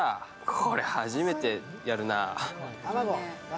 これ初めてやるな。